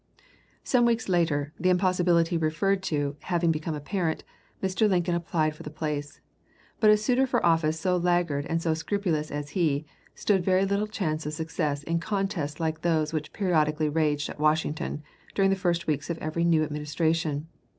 Some weeks later, the impossibility referred to having become apparent, Mr. Lincoln applied for the place; but a suitor for office so laggard and so scrupulous as he, stood very little chance of success in contests like those which periodically raged at Washington during the first weeks of every new administration.